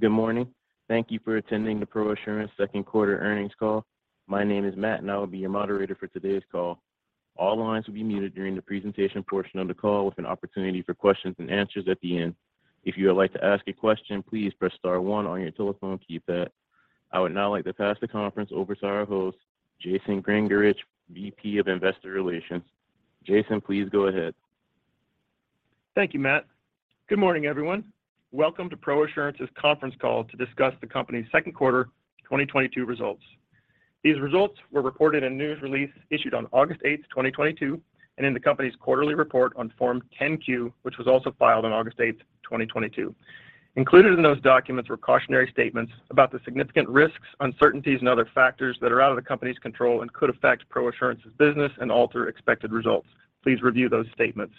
Good morning. Thank you for attending the ProAssurance second earnings call. My name is Matt, and I will be your moderator for today's call. All lines will be muted during the presentation portion of the call with an opportunity for questions and answers at the end. If you would like to ask a question, please press star one on your telephone keypad. I would now like to pass the conference over to our host, Jason Gingerich, VP of Investor Relations. Jason, please go ahead. Thank you, Matt. Good morning, everyone. Welcome to ProAssurance's conference call to discuss the company's second quarter 2022 results. These results were reported in news release issued on August 8, 2022, and in the company's quarterly report on Form 10-Q, which was also filed on August 8, 2022. Included in those documents were cautionary statements about the significant risks, uncertainties, and other factors that are out of the company's control and could affect ProAssurance's business and alter expected results. Please review those statements.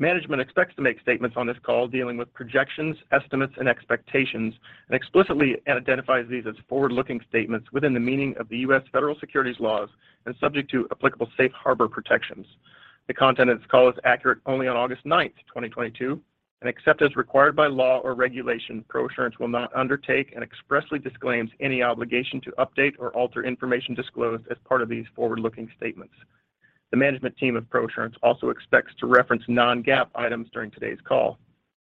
Management expects to make statements on this call dealing with projections, estimates, and expectations, and explicitly identifies these as forward-looking statements within the meaning of the U.S. Federal Securities laws and subject to applicable safe harbor protections. The content of this call is accurate only on August 9, 2022, and except as required by law or regulation, ProAssurance will not undertake and expressly disclaims any obligation to update or alter information disclosed as part of these forward-looking statements. The management team of ProAssurance also expects to reference non-GAAP items during today's call.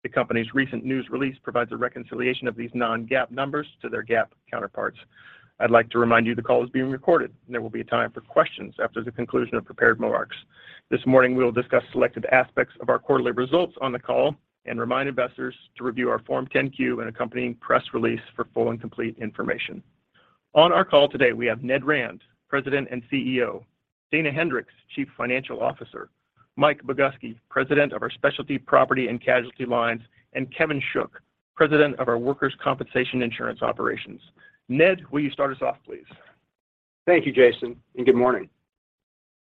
The company's recent news release provides a reconciliation of these non-GAAP numbers to their GAAP counterparts. I'd like to remind you the call is being recorded, and there will be a time for questions after the conclusion of prepared remarks. This morning, we will discuss selected aspects of our quarterly results on the call and remind investors to review our Form 10-Q and accompanying press release for full and complete information. On our call today, we have Ned Rand, President and CEO, Dana Hendricks, Chief Financial Officer, Mike Boguski, President of our Specialty Property and Casualty lines, and Kevin Shook, President of our Workers' Compensation Insurance Operations. Ned, will you start us off, please? Thank you, Jason, and good morning.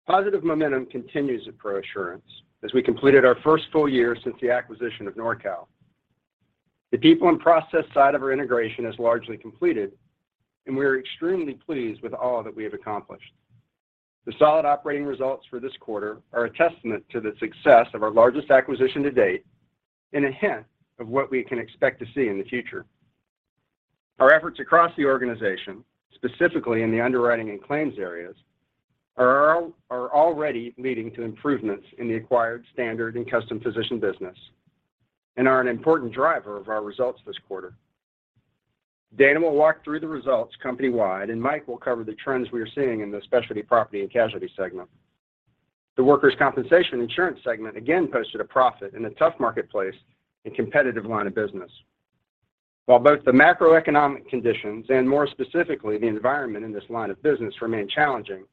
Positive momentum continues at ProAssurance as we completed our first full year since the acquisition of NORCAL. The people and process side of our integration is largely completed, and we are extremely pleased with all that we have accomplished. The solid operating results for this quarter are a testament to the success of our largest acquisition to date and a hint of what we can expect to see in the future. Our efforts across the organization, specifically in the underwriting and claims areas, are already leading to improvements in the acquired standard and custom physician business and are an important driver of our results this quarter. Dana will walk through the results company-wide, and Mike will cover the trends we are seeing in the specialty property and casualty segment. The workers' compensation insurance segment again posted a profit in a tough marketplace and competitive line of business. While both the macroeconomic conditions and more specifically the environment in this line of business remain challenging,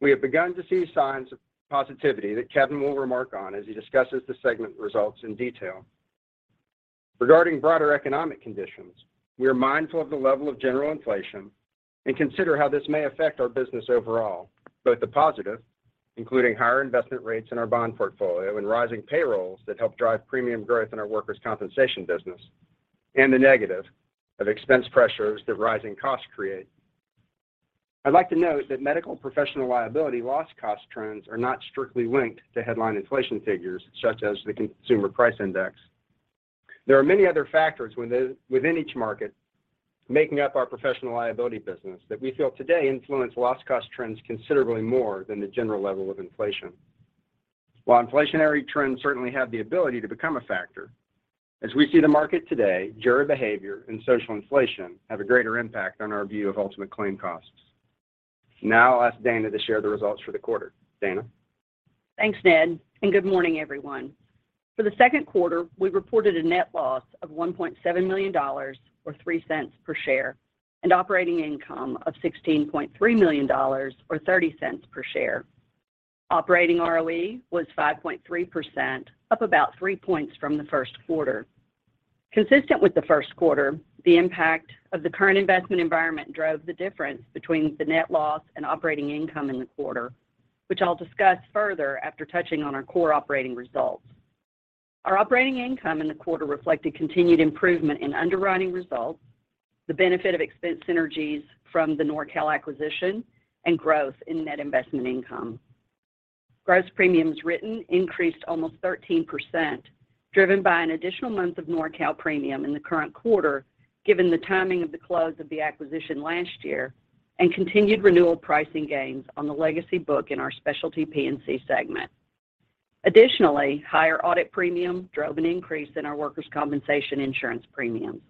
we have begun to see signs of positivity that Kevin will remark on as he discusses the segment results in detail. Regarding broader economic conditions, we are mindful of the level of general inflation and consider how this may affect our business overall, both the positive, including higher investment rates in our bond portfolio and rising payrolls that help drive premium growth in our workers' compensation business, and the negative of expense pressures that rising costs create. I'd like to note that medical professional liability loss cost trends are not strictly linked to headline inflation figures such as the Consumer Price Index. There are many other factors within each market making up our professional liability business that we feel today influence loss cost trends considerably more than the general level of inflation. While inflationary trends certainly have the ability to become a factor, as we see the market today, jury behavior and social inflation have a greater impact on our view of ultimate claim costs. Now I'll ask Dana to share the results for the quarter. Dana? Thanks, Ned, and good morning, everyone. For the second quarter, we reported a net loss of $1.7 million or $0.03 per share and operating income of $16.3 million or $0.30 per share. Operating ROE was 5.3%, up about three points from the first quarter. Consistent with the first quarter, the impact of the current investment environment drove the difference between the net loss and operating income in the quarter, which I'll discuss further after touching on our core operating results. Our operating income in the quarter reflected continued improvement in underwriting results, the benefit of expense synergies from the NORCAL acquisition, and growth in net investment income. Gross premiums written increased almost 13%, driven by an additional month of NORCAL premium in the current quarter given the timing of the close of the acquisition last year and continued renewal pricing gains on the legacy book in our Specialty P&C segment. Additionally, higher audit premium drove an increase in our workers' compensation insurance premiums.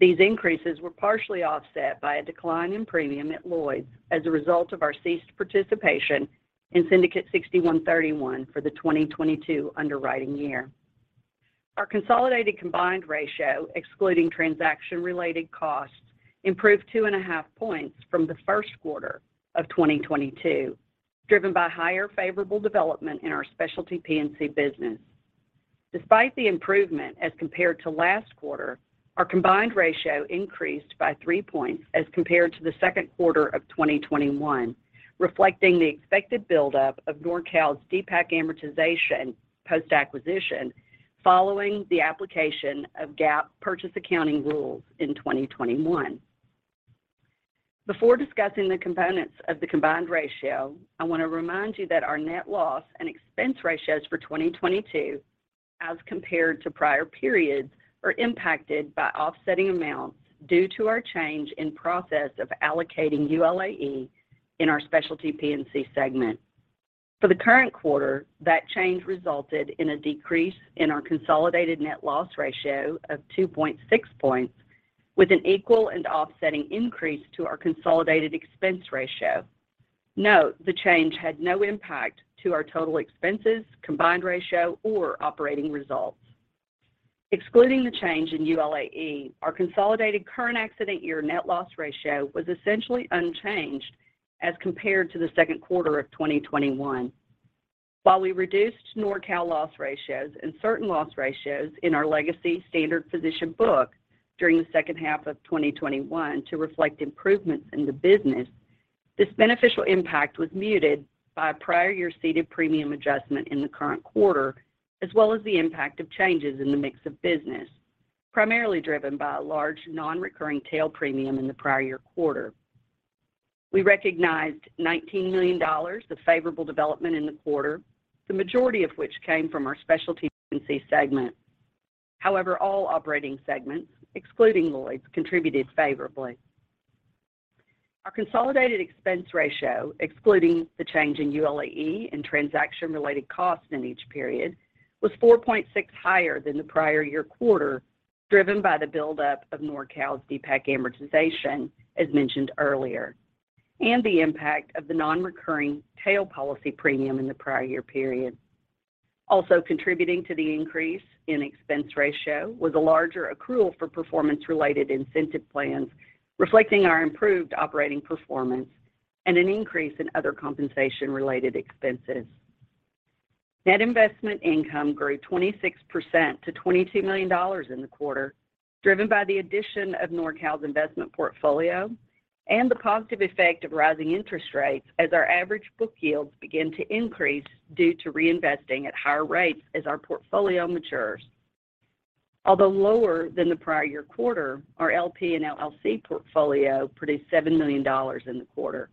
These increases were partially offset by a decline in premium at Lloyd's as a result of our ceased participation in Syndicate 6131 for the 2022 underwriting year. Our consolidated combined ratio, excluding transaction-related costs, improved two and a half points from the first quarter of 2022, driven by higher favorable development in our Specialty P&C business. Despite the improvement as compared to last quarter, our combined ratio increased by 3 points as compared to the second quarter of 2021, reflecting the expected buildup of NORCAL's DPAC amortization post-acquisition following the application of GAAP purchase accounting rules in 2021. Before discussing the components of the combined ratio, I want to remind you that our net loss and expense ratios for 2022 as compared to prior periods are impacted by offsetting amounts due to our change in process of allocating ULAE in our Specialty P&C segment. For the current quarter, that change resulted in a decrease in our consolidated net loss ratio of 2.6 points with an equal and offsetting increase to our consolidated expense ratio. Note, the change had no impact to our total expenses, combined ratio or operating results. Excluding the change in ULAE, our consolidated current accident year net loss ratio was essentially unchanged as compared to the second quarter of 2021. While we reduced NORCAL loss ratios and certain loss ratios in our legacy standard position book during the second half of 2021 to reflect improvements in the business, this beneficial impact was muted by a prior year ceded premium adjustment in the current quarter, as well as the impact of changes in the mix of business, primarily driven by a large non-recurring tail premium in the prior year quarter. We recognized $19 million of favorable development in the quarter, the majority of which came from our Specialty P&C segment. However, all operating segments, excluding Lloyd's, contributed favorably. Our consolidated expense ratio, excluding the change in ULAE and transaction-related costs in each period, was 4.6 higher than the prior year quarter, driven by the build-up of NORCAL's DPAC amortization, as mentioned earlier, and the impact of the non-recurring tail policy premium in the prior year period. Also contributing to the increase in expense ratio was a larger accrual for performance-related incentive plans reflecting our improved operating performance and an increase in other compensation-related expenses. Net investment income grew 26% to $22 million in the quarter, driven by the addition of NORCAL's investment portfolio and the positive effect of rising interest rates as our average book yields begin to increase due to reinvesting at higher rates as our portfolio matures. Although lower than the prior year quarter, our LP and LLC portfolio produced $7 million in the quarter.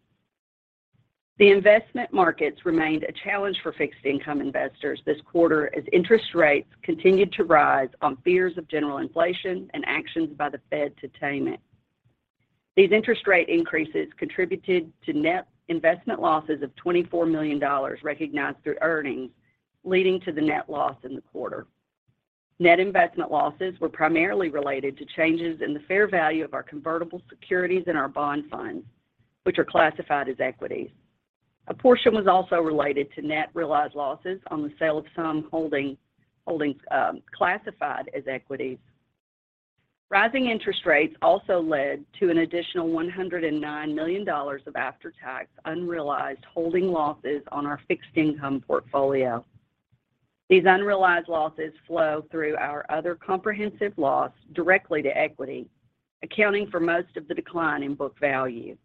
The investment markets remained a challenge for fixed income investors this quarter as interest rates continued to rise on fears of general inflation and actions by the Fed to tame it. These interest rate increases contributed to net investment losses of $24 million recognized through earnings, leading to the net loss in the quarter. Net investment losses were primarily related to changes in the fair value of our convertible securities and our bond funds, which are classified as equities. A portion was also related to net realized losses on the sale of some holdings classified as equities. Rising interest rates also led to an additional $109 million of after-tax unrealized holding losses on our fixed income portfolio. These unrealized losses flow through our other comprehensive loss directly to equity, accounting for most of the decline in book value.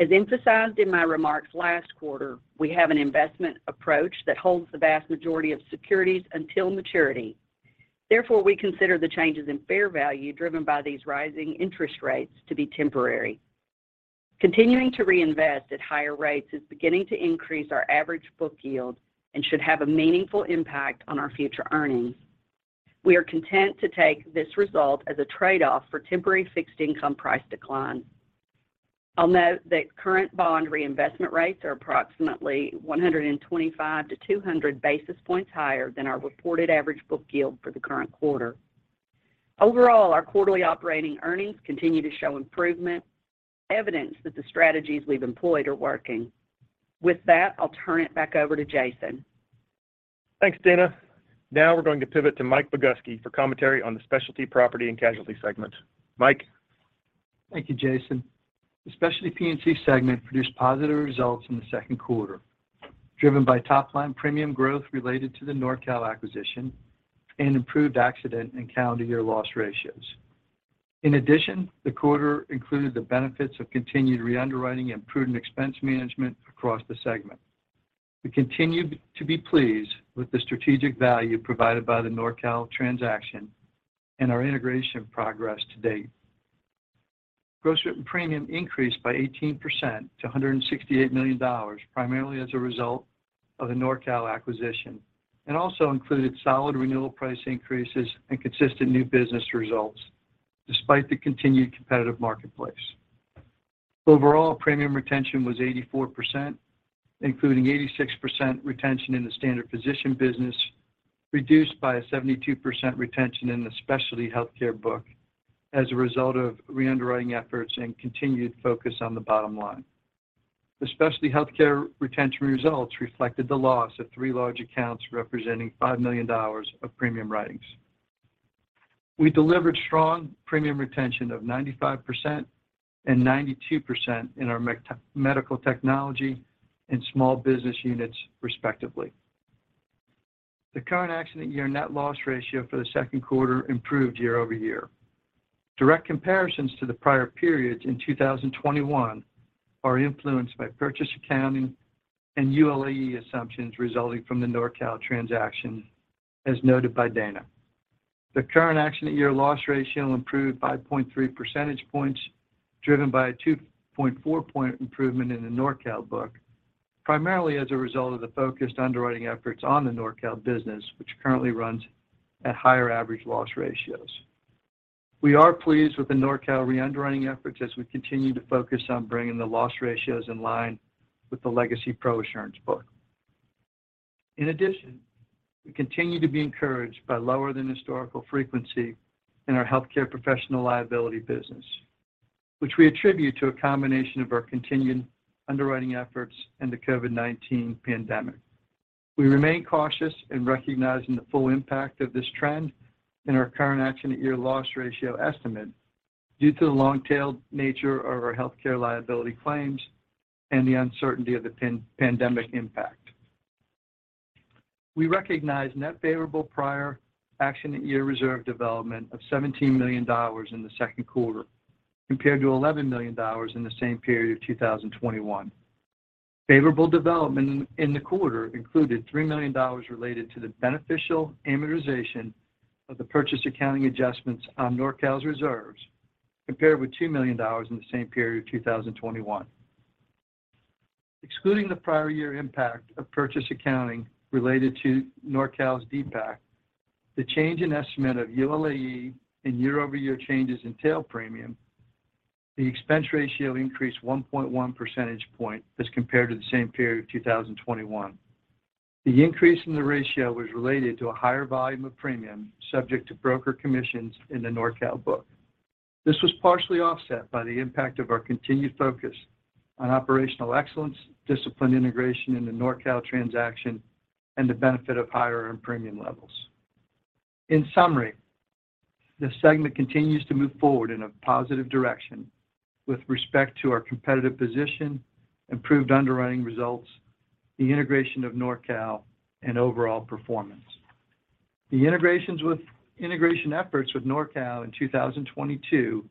As emphasized in my remarks last quarter, we have an investment approach that holds the vast majority of securities until maturity. Therefore, we consider the changes in fair value driven by these rising interest rates to be temporary. Continuing to reinvest at higher rates is beginning to increase our average book yield and should have a meaningful impact on our future earnings. We are content to take this result as a trade-off for temporary fixed income price decline. I'll note that current bond reinvestment rates are approximately 125-200 basis points higher than our reported average book yield for the current quarter. Overall, our quarterly operating earnings continue to show improvement, evidence that the strategies we've employed are working. With that, I'll turn it back over to Jason. Thanks, Dana. Now we're going to pivot to Mike Boguski for commentary on the Specialty Property and Casualty segment. Mike? Thank you, Jason. The Specialty P&C segment produced positive results in the second quarter, driven by top line premium growth related to the NORCAL acquisition and improved accident-year and calendar-year loss ratios. In addition, the quarter included the benefits of continued re-underwriting and prudent expense management across the segment. We continue to be pleased with the strategic value provided by the NORCAL transaction and our integration progress to date. Gross written premium increased by 18% to $168 million, primarily as a result of the NORCAL acquisition, and also included solid renewal price increases and consistent new business results despite the continued competitive marketplace. Overall, premium retention was 84%, including 86% retention in the standard physicians business, reduced by a 72% retention in the specialty healthcare boo k as a result of re-underwriting efforts and continued focus on the bottom line. The specialty healthcare retention results reflected the loss of three large accounts representing $5 million of premium writings. We delivered strong premium retention of 95% and 92% in our medical technology and small business units, respectively. The current accident year net loss ratio for the second quarter improved year-over-year. Direct comparisons to the prior periods in 2021 are influenced by purchase accounting and ULAE assumptions resulting from the NORCAL transaction, as noted by Dana. The current accident year loss ratio improved by 0.3 percentage points, driven by a 2.4-point improvement in the NORCAL book, primarily as a result of the focused underwriting efforts on the NORCAL business, which currently runs at higher average loss ratios. We are pleased with the NORCAL reunderwriting efforts as we continue to focus on bringing the loss ratios in line with the legacy ProAssurance book. In addition, we continue to be encouraged by lower than historical frequency in our healthcare professional liability business, which we attribute to a combination of our continued underwriting efforts and the COVID-19 pandemic. We remain cautious in recognizing the full impact of this trend in our current accident year loss ratio estimate due to the long-tailed nature of our healthcare liability claims and the uncertainty of the post-pandemic impact. We recognize net favorable prior accident year reserve development of $17 million in the second quarter compared to $11 million in the same period of 2021. Favorable development in the quarter included $3 million related to the beneficial amortization of the purchase accounting adjustments on NORCAL's reserves compared with $2 million in the same period of 2021. Excluding the prior year impact of purchase accounting related to NORCAL's DPAC, the change in estimate of ULAE and year-over-year changes in tail premium, the expense ratio increased 1.1 percentage points as compared to the same period of 2021. The increase in the ratio was related to a higher volume of premium subject to broker commissions in the NORCAL book. This was partially offset by the impact of our continued focus on operational excellence, disciplined integration in the NORCAL transaction, and the benefit of higher earned premium levels. In summary, the segment continues to move forward in a positive direction with respect to our competitive position, improved underwriting results, the integration of NORCAL, and overall performance. The integration efforts with NORCAL in 2022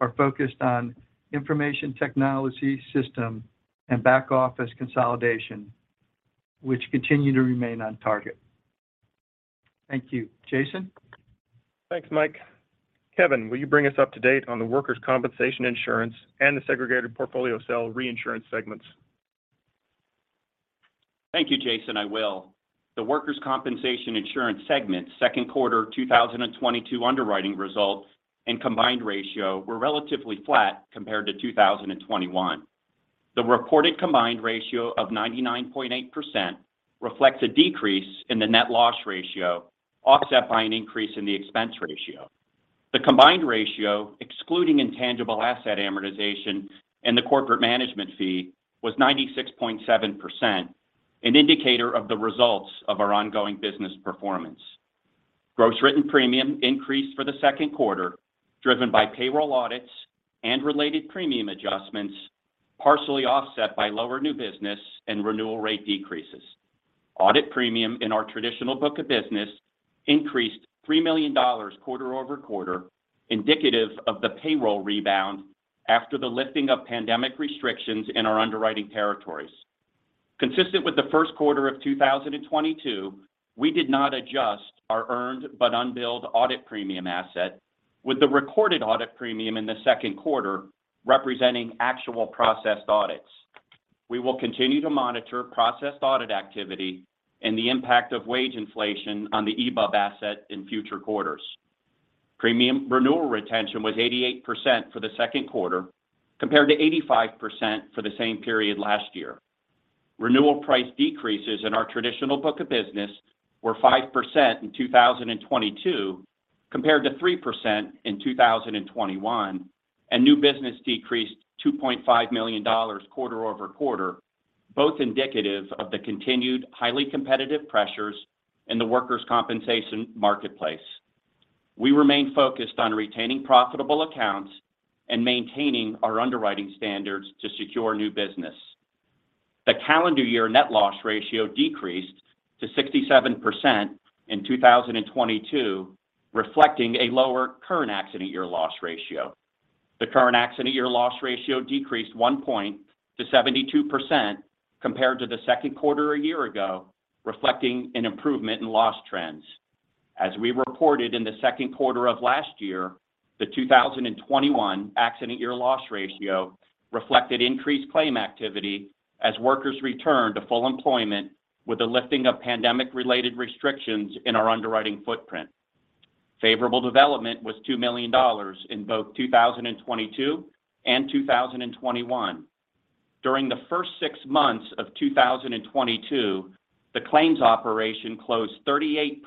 are focused on information technology system and back office consolidation, which continue to remain on target. Thank you. Jason? Thanks, Mike. Kevin, will you bring us up to date on the Workers' Compensation Insurance and the Segregated Portfolio Cell Reinsurance segments? Thank you, Jason. I will. The workers' compensation insurance segment's second quarter 2022 underwriting results and combined ratio were relatively flat compared to 2021. The reported combined ratio of 99.8% reflects a decrease in the net loss ratio, offset by an increase in the expense ratio. The combined ratio, excluding intangible asset amortization and the corporate management fee, was 96.7%, an indicator of the results of our ongoing business performance. Gross written premium increased for the second quarter, driven by payroll audits and related premium adjustments, partially offset by lower new business and renewal rate decreases. Audit premium in our traditional book of business increased $3 million quarter-over-quarter, indicative of the payroll rebound after the lifting of pandemic restrictions in our underwriting territories. Consistent with the first quarter of 2022, we did not adjust our earned but unbilled audit premium asset, with the recorded audit premium in the second quarter representing actual processed audits. We will continue to monitor processed audit activity and the impact of wage inflation on the EBUB asset in future quarters. Premium renewal retention was 88% for the second quarter, compared to 85% for the same period last year. Renewal price decreases in our traditional book of business were 5% in 2022, compared to 3% in 2021, and new business decreased $2.5 million quarter over quarter, both indicative of the continued highly competitive pressures in the workers' compensation marketplace. We remain focused on retaining profitable accounts and maintaining our underwriting standards to secure new business. The calendar year net loss ratio decreased to 67% in 2022, reflecting a lower current accident year loss ratio. The current accident year loss ratio decreased 1 point to 72% compared to the second quarter a year ago, reflecting an improvement in loss trends. As we reported in the second quarter of last year, the 2021 accident year loss ratio reflected increased claim activity as workers returned to full employment with the lifting of pandemic-related restrictions in our underwriting footprint. Favorable development was $2 million in both 2022 and 2021. During the first 6 months of 2022, the claims operation closed 38%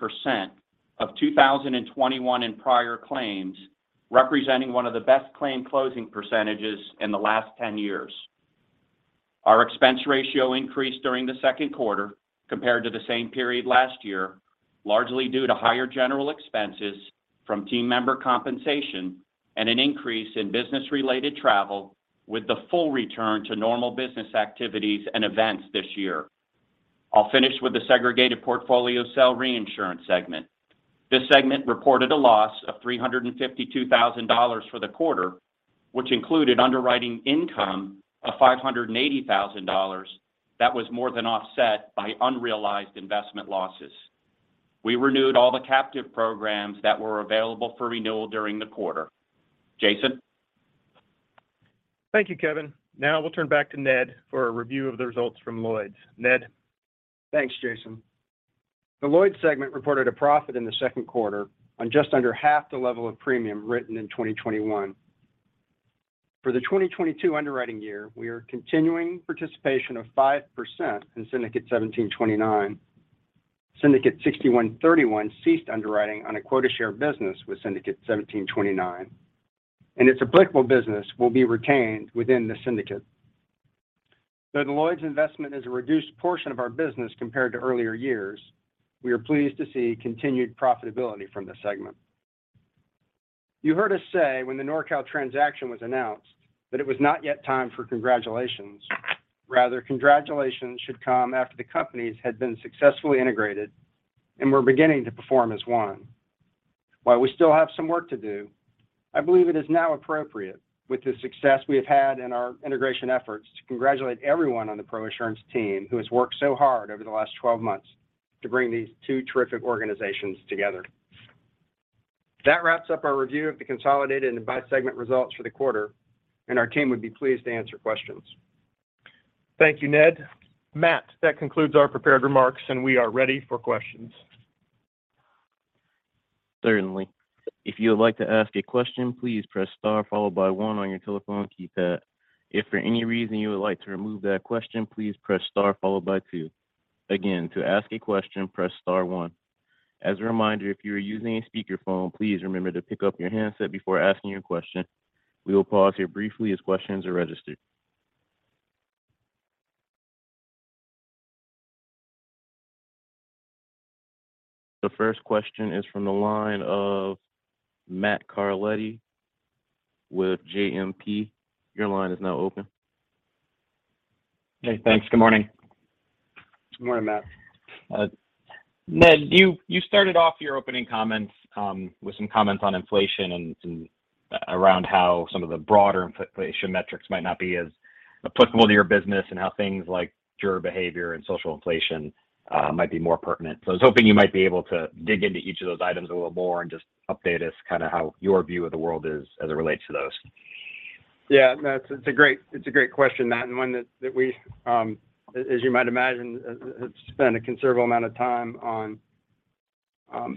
of 2021 and prior claims, representing one of the best claim closing percentages in the last 10 years. Our expense ratio increased during the second quarter compared to the same period last year, largely due to higher general expenses from team member compensation and an increase in business-related travel with the full return to normal business activities and events this year. I'll finish with the Segregated Portfolio Cell Reinsurance segment. This segment reported a loss of $352,000 for the quarter, which included underwriting income of $580,000 that was more than offset by unrealized investment losses. We renewed all the captive programs that were available for renewal during the quarter. Jason? Thank you, Kevin. Now we'll turn back to Ned for a review of the results from Lloyd's. Ned? Thanks, Jason. The Lloyd's segment reported a profit in the second quarter on just under half the level of premium written in 2021. For the 2022 underwriting year, we are continuing participation of 5% in Syndicate 1729. Syndicate 6131 ceased underwriting on a quota share business with Syndicate 1729, and its applicable business will be retained within the syndicate. Though the Lloyd's investment is a reduced portion of our business compared to earlier years, we are pleased to see continued profitability from this segment. You heard us say when the NORCAL transaction was announced that it was not yet time for congratulations. Rather, congratulations should come after the companies had been successfully integrated and were beginning to perform as one. While we still have some work to do, I believe it is now appropriate with the success we have had in our integration efforts to congratulate everyone on the ProAssurance team who has worked so hard over the last 12 months to bring these two terrific organizations together. That wraps up our review of the consolidated and by-segment results for the quarter, and our team would be pleased to answer questions. Thank you, Ned. Matt, that concludes our prepared remarks, and we are ready for questions. Certainly. If you would like to ask a question, please press star followed by one on your telephone keypad. If for any reason you would like to remove that question, please press star followed by two. Again, to ask a question, press star one. As a reminder, if you are using a speakerphone, please remember to pick up your handset before asking your question. We will pause here briefly as questions are registered. The first question is from the line of Matt Carletti with JMP. Your line is now open. Hey, thanks. Good morning. Good morning, Matt. Ned, you started off your opening comments with some comments on inflation and around how some of the broader inflation metrics might not be as applicable to your business and how things like juror behavior and social inflation might be more pertinent. So I was hoping you might be able to dig into each of those items a little more and just update us kind of how your view of the world is as it relates to those. Yeah, Matt, it's a great question, Matt, and one that we, as you might imagine, have spent a considerable amount of time on. You know,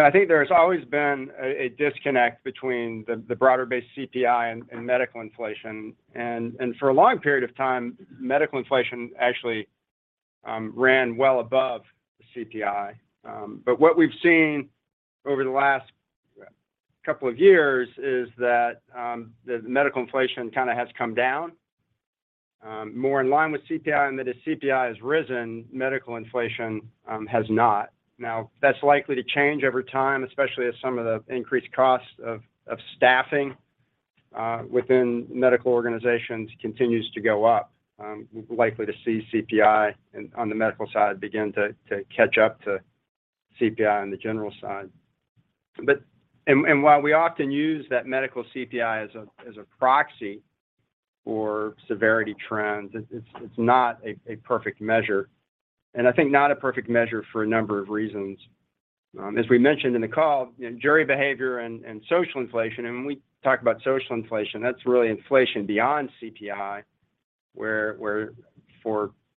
I think there's always been a disconnect between the broader-based CPI and medical inflation. For a long period of time, medical inflation actually ran well above the CPI. But what we've seen over the last couple of years is that the medical inflation kind of has come down more in line with CPI. That as CPI has risen, medical inflation has not. Now, that's likely to change over time, especially as some of the increased costs of staffing within medical organizations continues to go up. We're likely to see CPI on the medical side begin to catch up to CPI on the general side. While we often use that medical CPI as a proxy for severity trends, it's not a perfect measure. I think not a perfect measure for a number of reasons. As we mentioned in the call, you know, jury behavior and social inflation, and when we talk about social inflation, that's really inflation beyond CPI, where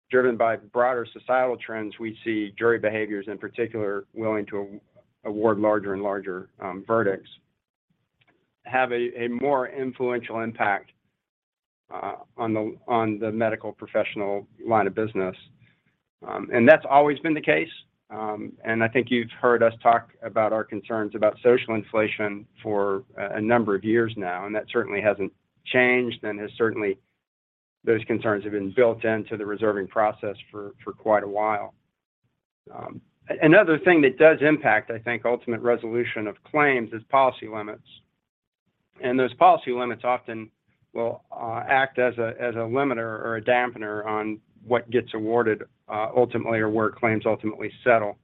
driven by broader societal trends, we see jury behaviors in particular willing to award larger and larger verdicts, have a more influential impact on the medical professional line of business. That's always been the case. I think you've heard us talk about our concerns about social inflation for a number of years now, and that certainly hasn't changed. Those concerns have been built into the reserving process for quite a while. Another thing that does impact, I think, ultimate resolution of claims is policy limits. Those policy limits often will act as a limiter or a dampener on what gets awarded ultimately or where claims ultimately settle.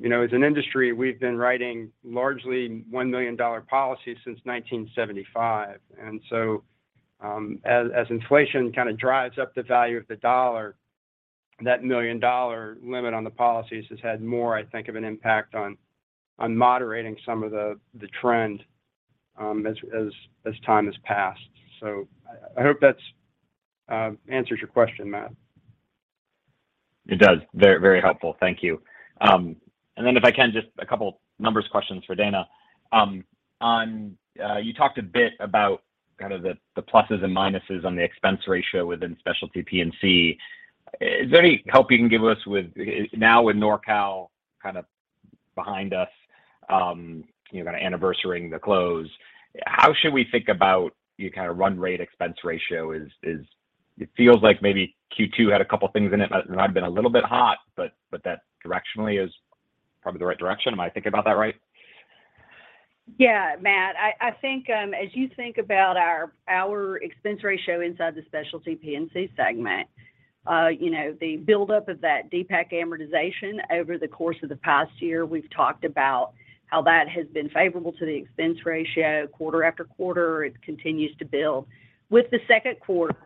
You know, as an industry, we've been writing largely $1 million policies since 1975. Inflation kind of drives up the value of the dollar, that $1 million limit on the policies has had more, I think, of an impact on moderating some of the trend as time has passed. I hope that answers your question, Matt. It does. Very, very helpful. Thank you. Then if I can, just a couple numbers questions for Dana. On, you talked a bit about kind of the pluses and minuses on the expense ratio within Specialty P&C. Is there any help you can give us with now with NORCAL kind of behind us, you know, kind of anniversarying the close, how should we think about your kind of run rate expense ratio as it feels like maybe Q2 had a couple things in it that might have been a little bit hot, but that directionally is probably the right direction. Am I thinking about that right? Yeah, Matt. I think as you think about our expense ratio inside the Specialty P&C segment. You know, the buildup of that DPAC amortization over the course of the past year, we've talked about how that has been favorable to the expense ratio quarter after quarter. It continues to build. With the second quarter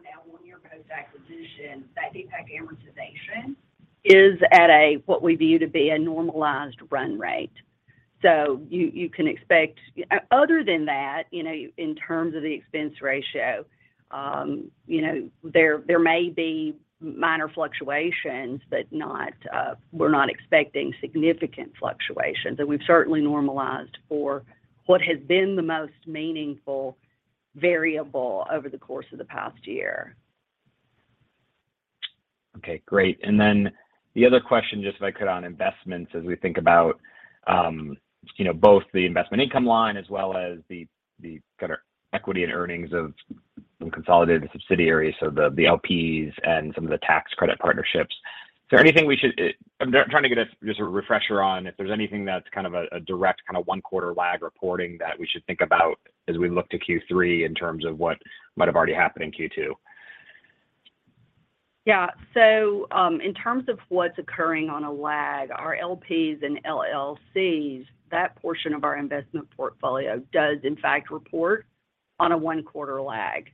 now one year post-acquisition, that DPAC amortization is at a what we view to be a normalized run rate. You can expect other than that, you know, in terms of the expense ratio, you know, there may be minor fluctuations, but we're not expecting significant fluctuations. We've certainly normalized for what has been the most meaningful variable over the course of the past year. Okay, great. The other question, just if I could on investments as we think about, you know, both the investment income line as well as the kind of equity and earnings of consolidated subsidiaries, so the LPs and some of the tax credit partnerships. Is there anything we should. I'm trying to get just a refresher on if there's anything that's kind of a direct kind of one quarter lag reporting that we should think about as we look to Q3 in terms of what might have already happened in Q2. Yeah. In terms of what's occurring on a lag, our LPs and LLCs, that portion of our investment portfolio does in fact report on a one-quarter lag.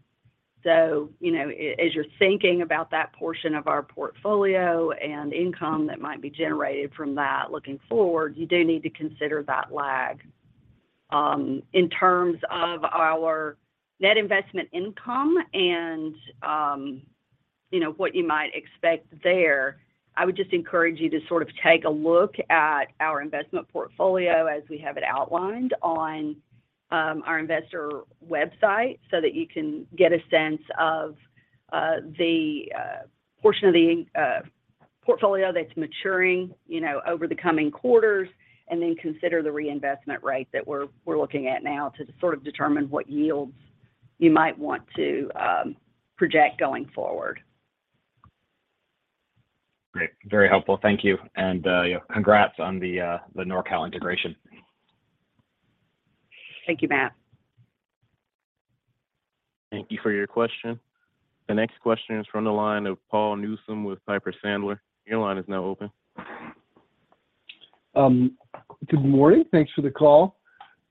You know, as you're thinking about that portion of our portfolio and income that might be generated from that looking forward, you do need to consider that lag. In terms of our net investment income and, you know, what you might expect there, I would just encourage you to sort of take a look at our investment portfolio as we have it outlined on, our investor website so that you can get a sense of, the, portion of the, portfolio that's maturing, you know, over the coming quarters, and then consider the reinvestment rate that we're looking at now to sort of determine what yields you might want to, project going forward. Great. Very helpful. Thank you. Yeah, congrats on the NORCAL integration. Thank you, Matt. Thank you for your question. The next question is from the line of Paul Newsome with Piper Sandler. Your line is now open. Good morning. Thanks for the call.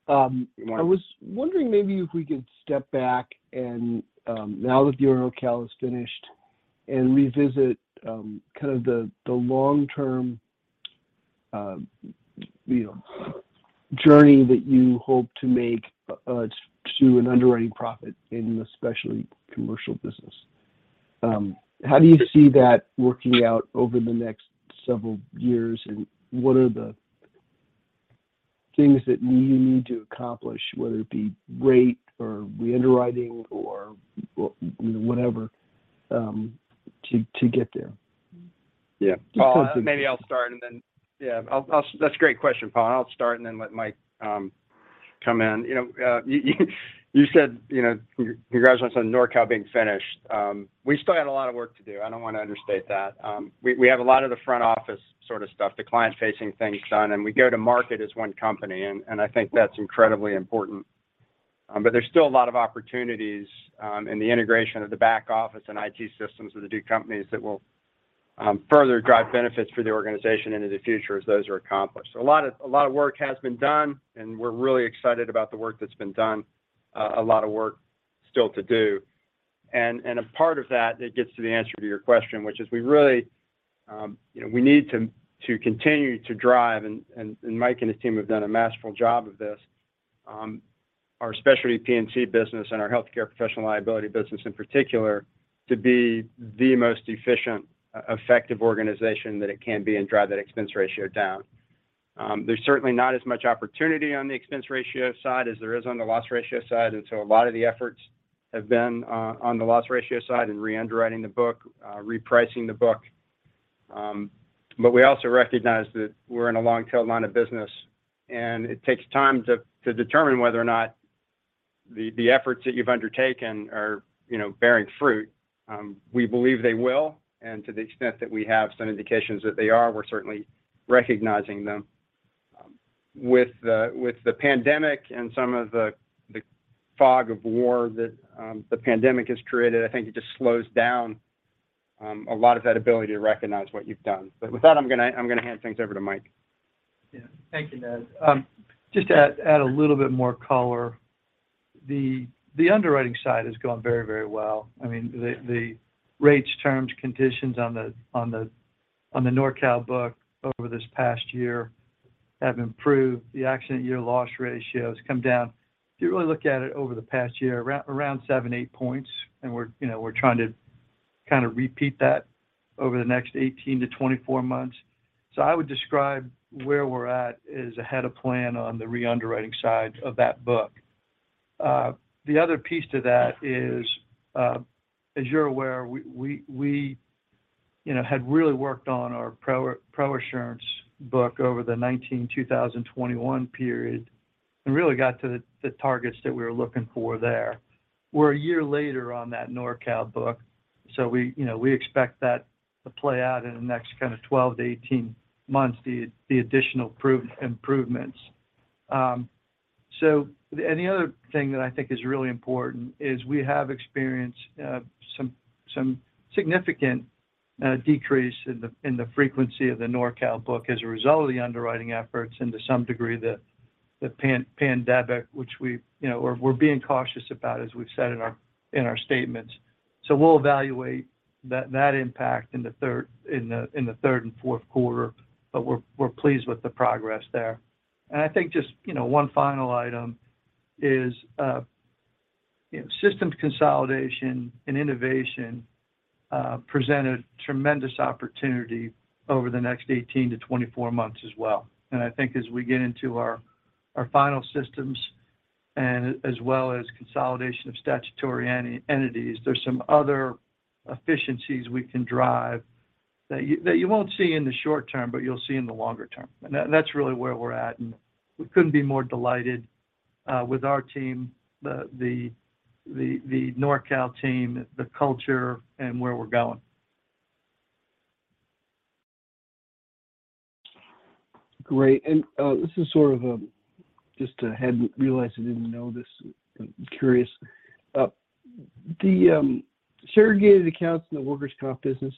Good morning. I was wondering maybe if we could step back and, now that the NORCAL is finished and revisit, kind of the long-term, you know, journey that you hope to make, to an underwriting profit in the specialty commercial business. How do you see that working out over the next several years, and what are the things that you need to accomplish, whether it be rate or reunderwriting or whatever, to get there? Paul, that's a great question, Paul. I'll start and then let Mike come in. You know, you said, you know, congratulations on NORCAL being finished. We still got a lot of work to do. I don't want to understate that. We have a lot of the front office sort of stuff, the client-facing things done, and we go to market as one company, and I think that's incredibly important. But there's still a lot of opportunities in the integration of the back office and IT systems of the two companies that will further drive benefits for the organization into the future as those are accomplished. A lot of work has been done, and we're really excited about the work that's been done. A lot of work still to do. A part of that that gets to the answer to your question, which is we really, you know, we need to continue to drive, Mike and his team have done a masterful job of this, our Specialty P&C business and our Healthcare Professional Liability business in particular, to be the most efficient, effective organization that it can be and drive that expense ratio down. There's certainly not as much opportunity on the expense ratio side as there is on the loss ratio side, so a lot of the efforts have been on the loss ratio side and reunderwriting the book, repricing the book. We also recognize that we're in a long-tail line of business, and it takes time to determine whether or not the efforts that you've undertaken are, you know, bearing fruit. We believe they will, and to the extent that we have some indications that they are, we're certainly recognizing them. With the pandemic and some of the fog of war that the pandemic has created, I think it just slows down a lot of that ability to recognize what you've done. With that, I'm gonna hand things over to Mike. Yeah. Thank you, Ned. Just to add a little bit more color, the underwriting side has gone very, very well. I mean, the rates, terms, conditions on the NORCAL book over this past year have improved. The accident year loss ratio has come down. If you really look at it over the past year, around seven to eight points, and you know, we're trying to kind of repeat that over the next 18-24 months. I would describe where we're at as ahead of plan on the reunderwriting side of that book. The other piece to that is, as you're aware, you know, we had really worked on our ProAssurance book over the 2019-2021 period and really got to the targets that we were looking for there. We're a year later on that NORCAL book, so we expect that to play out in the next kind of 12-18 months, the additional improvements. So the any other thing that I think is really important is we have experienced some significant decrease in the frequency of the NORCAL book as a result of the underwriting efforts and to some degree the pandemic, which we're being cautious about, as we've said in our statements. So we'll evaluate that impact in the third and fourth quarter. But we're pleased with the progress there. I think one final item is systems consolidation and innovation present a tremendous opportunity over the next 18-24 months as well. I think as we get into our final systems and as well as consolidation of statutory entities, there's some other efficiencies we can drive that you won't see in the short term, but you'll see in the longer term. That's really where we're at, and we couldn't be more delighted with our team, the NORCAL team, the culture, and where we're going. Great. This is sort of a just hadn't realized I didn't know this. I'm curious. The segregated accounts in the workers' comp business,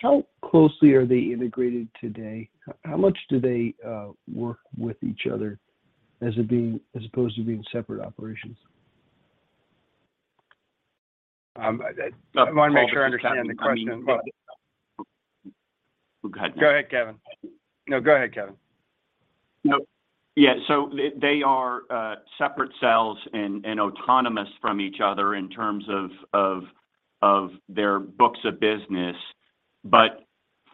how closely are they integrated today? How much do they work with each other as it being, as opposed to being separate operations? I wanna make sure I understand the question. Paul, this is Kevin. Go ahead. Go ahead, Kevin. No, go ahead, Kevin. No. Yeah. They are separate cells and autonomous from each other in terms of their books of business. But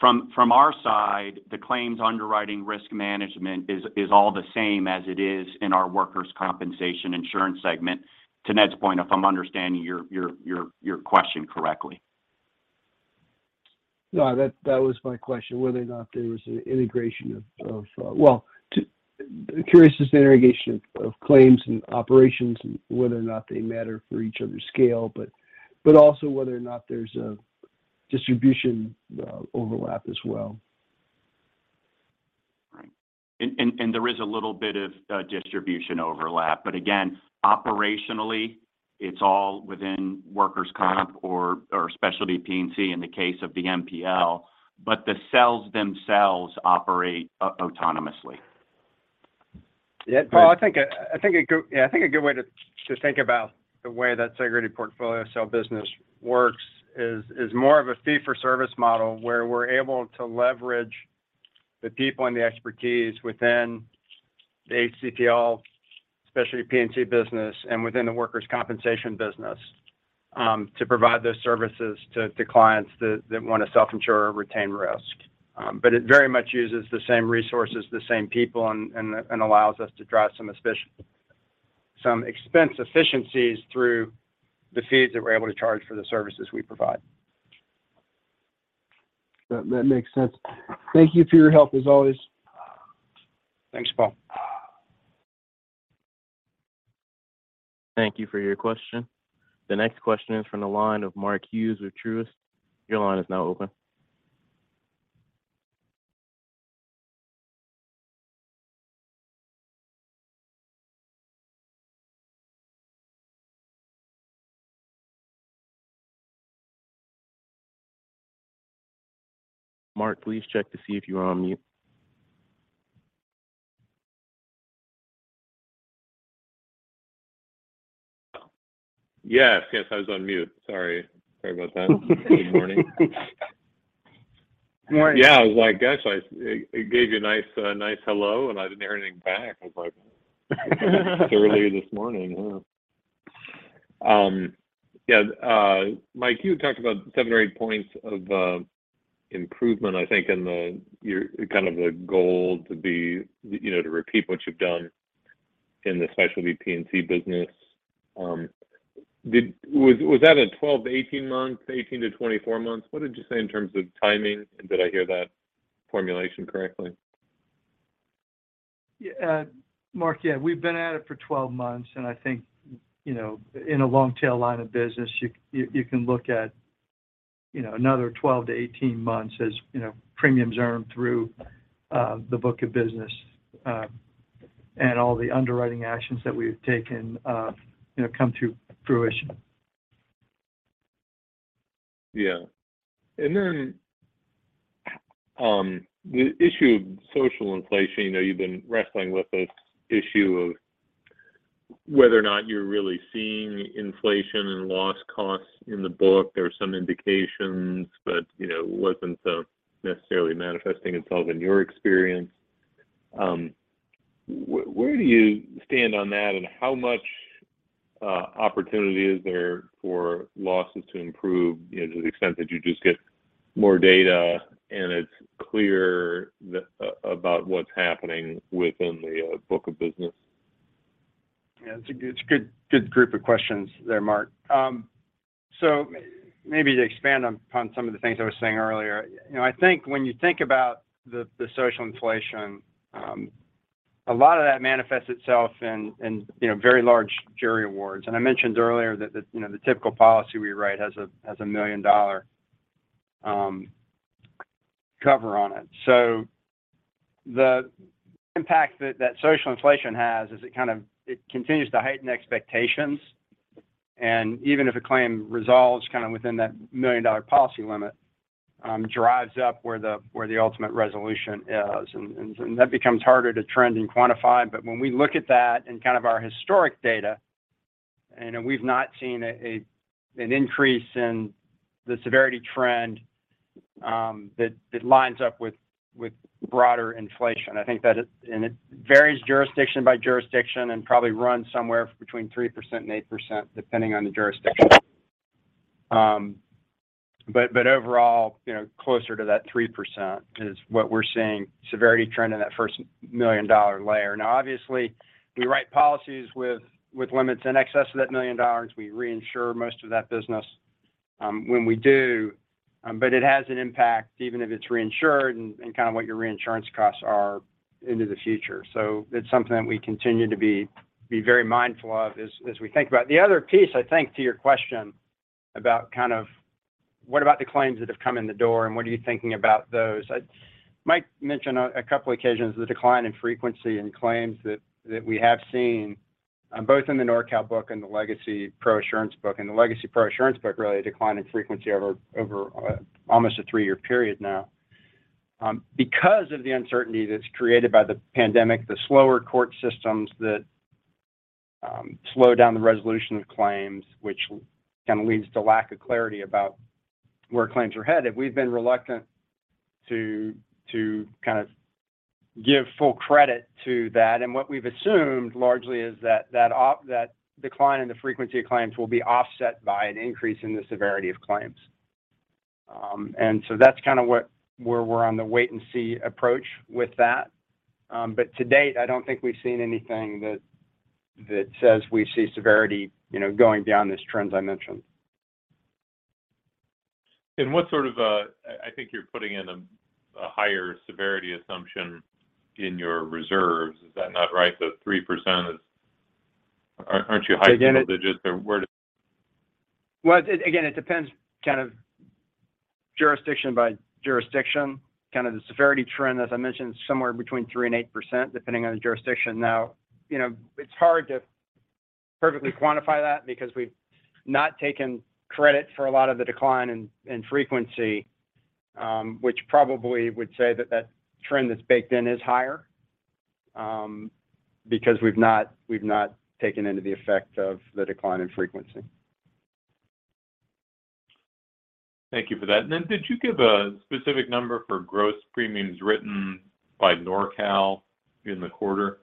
from our side, the claims underwriting risk management is all the same as it is in our workers' compensation insurance segment, to Ned's point, if I'm understanding your question correctly. No, that was my question, whether or not there was an integration of claims and operations and whether or not they matter for each other's scale, but also whether or not there's a distribution overlap as well. Right. There is a little bit of distribution overlap, but again, operationally, it's all within workers' comp or specialty P&C in the case of the MPL. The cells themselves operate autonomously. Paul, I think a good way to think about the way that segregated portfolio cell business works is more of a fee for service model where we're able to leverage the people and the expertise within the HCPL specialty P&C business and within the workers' compensation business, to provide those services to clients that wanna self-insure or retain risk. It very much uses the same resources, the same people, and allows us to drive some expense efficiencies through the fees that we're able to charge for the services we provide. That makes sense. Thank you for your help as always. Thanks, Paul. Thank you for your question. The next question is from the line of Mark Hughes with Truist. Your line is now open. Mark, please check to see if you are on mute. Yes. Yes, I was on mute. Sorry. Sorry about that. Good morning. Morning. Yeah, I was like, gosh, it gave you a nice hello, and I didn't hear anything back. I was like it's early this morning, huh? Mike, you had talked about seven or eight points of improvement, I think, in the, your, kind of the goal to be, you know, to repeat what you've done in the Specialty P&C business. Was that a 12- to 18-month, 18- to 24-month? What did you say in terms of timing? Did I hear that formulation correctly? Mark, we've been at it for 12 months, and I think, you know, in a long tail line of business, you can look at, you know, another 12-18 months as, you know, premiums earned through the book of business, and all the underwriting actions that we've taken, you know, come to fruition. Yeah. Then, the issue of social inflation, you know, you've been wrestling with this issue of whether or not you're really seeing inflation and loss costs in the book. There were some indications, but, you know, it wasn't so necessarily manifesting itself in your experience. Where do you stand on that, and how much opportunity is there for losses to improve, you know, to the extent that you just get more data and it's clear about what's happening within the book of business? Yeah, it's a good group of questions there, Mark. So maybe to expand on some of the things I was saying earlier. You know, I think when you think about the social inflation, a lot of that manifests itself in you know, very large jury awards. I mentioned earlier that you know, the typical policy we write has a $1 million Cover on it. The impact that social inflation has is it kind of it continues to heighten expectations. Even if a claim resolves kind of within that $1 million policy limit, drives up where the ultimate resolution is. That becomes harder to trend and quantify. When we look at that in kind of our historic data, we've not seen an increase in the severity trend, that lines up with broader inflation. I think that it varies jurisdiction by jurisdiction and probably runs somewhere between 3% and 8% depending on the jurisdiction. Overall, you know, closer to that 3% is what we're seeing severity trend in that first $1 million layer. Obviously, we write policies with limits in excess of that $1 million. We reinsure most of that business, when we do. It has an impact even if it's reinsured and kind of what your reinsurance costs are into the future. It's something that we continue to be very mindful of as we think about. The other piece, I think, to your question about kind of what about the claims that have come in the door and what are you thinking about those. Mike mentioned on a couple occasions the decline in frequency in claims that we have seen, both in the NORCAL book and the legacy ProAssurance book. In the legacy ProAssurance book, really a decline in frequency over almost a three-year period now. Because of the uncertainty that's created by the pandemic, the slower court systems that slow down the resolution of claims, which kind of leads to lack of clarity about where claims are headed, we've been reluctant to kind of give full credit to that. What we've assumed largely is that that decline in the frequency of claims will be offset by an increase in the severity of claims. That's kind of what we're on the wait and see approach with that. To date, I don't think we've seen anything that says we see severity, you know, going down these trends I mentioned. I think you're putting in a higher severity assumption in your reserves. Is that not right? The 3% is. Aren't you hiking a little bit just to where the Again, it depends kind of jurisdiction by jurisdiction. Kind of the severity trend, as I mentioned, is somewhere between 3%-8% depending on the jurisdiction. Now, you know, it's hard to perfectly quantify that because we've not taken credit for a lot of the decline in frequency, which probably would say that the trend that's baked in is higher, because we've not taken into account the effect of the decline in frequency. Thank you for that. Did you give a specific number for gross premiums written by NORCAL in the quarter?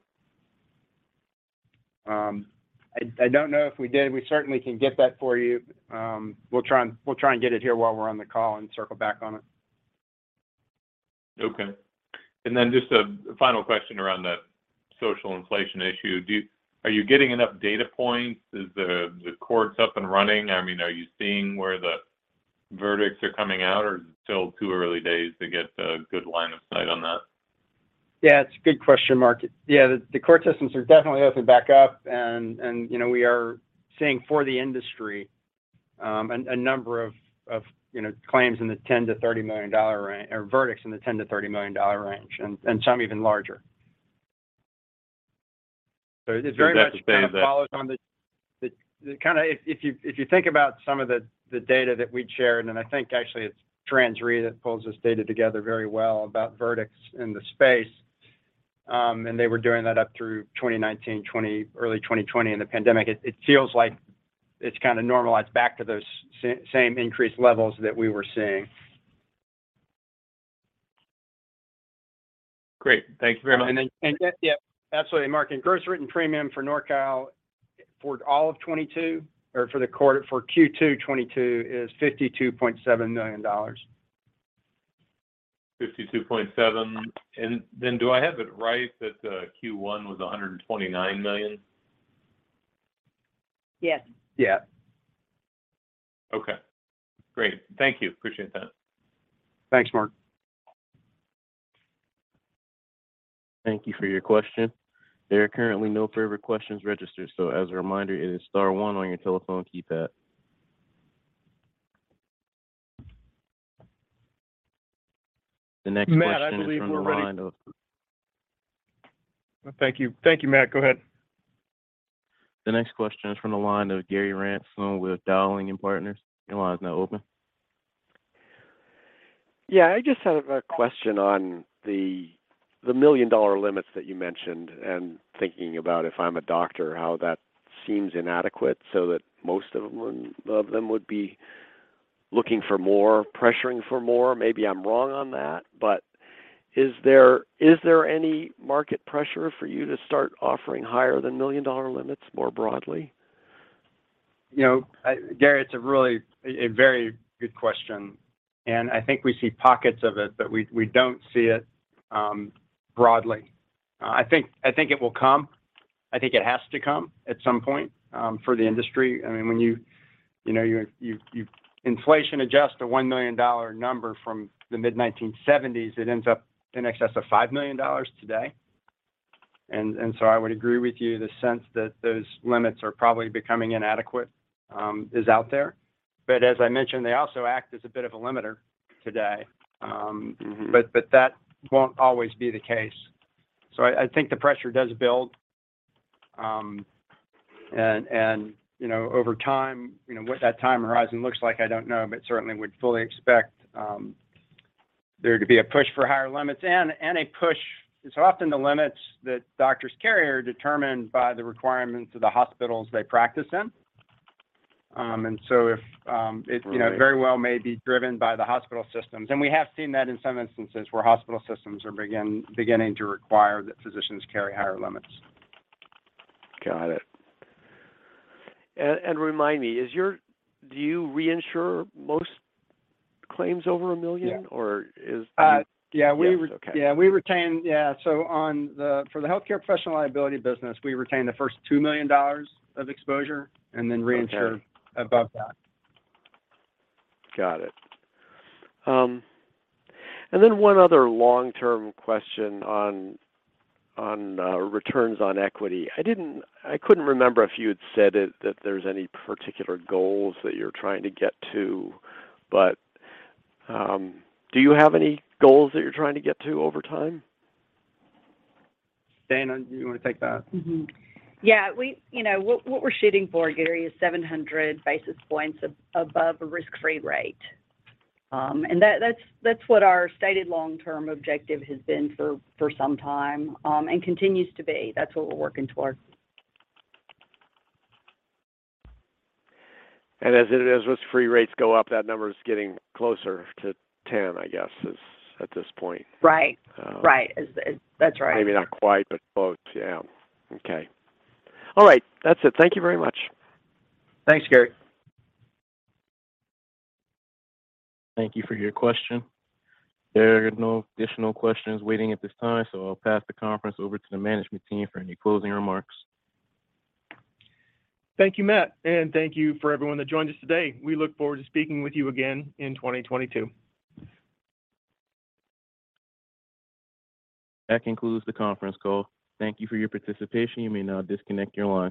I don't know if we did. We certainly can get that for you. We'll try and get it here while we're on the call and circle back on it. Okay. Just a final question around the social inflation issue. Are you getting enough data points? Is the courts up and running? I mean, are you seeing where the verdicts are coming out, or is it still too early days to get a good line of sight on that? Yeah, it's a good question, Mark. Yeah, the court systems are definitely open back up and you know we are seeing for the industry a number of you know claims in the $10-$30 million range or verdicts in the $10-$30 million range and some even larger. It's very much. Does that extend that? If you think about some of the data that we'd shared, and I think actually it's TransRe that pulls this data together very well about verdicts in the space, and they were doing that up through 2019, early 2020 in the pandemic. It feels like it's kind of normalized back to those same increased levels that we were seeing. Great. Thank you very much. Yeah, absolutely, Mark. Gross written premium for NORCAL for Q2 2022 is $52.7 million. 52.7%. Do I have it right that Q1 was $129 million? Yes. Yeah. Okay, great. Thank you. Appreciate that. Thanks, Mark. Thank you for your question. There are currently no further questions registered, so as a reminder, it is star one on your telephone keypad. The next question is from the line of- Matt, I believe we're ready. Thank you. Thank you, Matt. Go ahead. The next question is from the line of Gary Ransom with Dowling & Partners. Your line is now open. Yeah. I just had a question on the $1 million limits that you mentioned and thinking about if I'm a doctor, how that seems inadequate so that most of them would be looking for more, pressuring for more. Maybe I'm wrong on that. But is there any market pressure for you to start offering higher than $1 million limits more broadly? You know, Gary, it's really a very good question, and I think we see pockets of it, but we don't see it broadly. I think it will come. I think it has to come at some point for the industry. I mean, when you know, you inflation adjust a $1 million number from the mid-1970s, it ends up in excess of $5 million today. So I would agree with you, the sense that those limits are probably becoming inadequate is out there. But as I mentioned, they also act as a bit of a limiter today. Mm-hmm that won't always be the case. I think the pressure does build. you know, over time, you know, what that time horizon looks like, I don't know. certainly would fully expect there to be a push for higher limits and a push. Often the limits that doctors carry are determined by the requirements of the hospitals they practice in. if it, you know Right It very well may be driven by the hospital systems. We have seen that in some instances where hospital systems are beginning to require that physicians carry higher limits. Got it. Remind me, do you reinsure most claims over $1 million? Yeah. Or is- Yeah, we re- Yes. Okay. For the Healthcare Professional Liability business, we retain the first $2 million of exposure, and then reinsure- Okay above that. Got it. One other long-term question on returns on equity. I couldn't remember if you had said it, that there's any particular goals that you're trying to get to. Do you have any goals that you're trying to get to over time? Dana, do you wanna take that? You know, what we're shooting for, Gary, is 700 basis points above a risk-free rate. That's what our stated long-term objective has been for some time, and continues to be. That's what we're working towards. As risk-free rates go up, that number is getting closer to 10, I guess is at this point. Right. Um- Right. That's right. Maybe not quite, but close. Yeah. Okay. All right. That's it. Thank you very much. Thanks, Gary. Thank you for your question. There are no additional questions waiting at this time, so I'll pass the conference over to the management team for any closing remarks. Thank you, Matt. Thank you for everyone that joined us today. We look forward to speaking with you again in 2022. That concludes the conference call. Thank you for your participation. You may now disconnect your line.